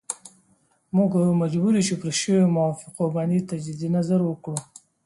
موږ مجبور یو چې پر شویو موافقو باندې تجدید نظر وکړو.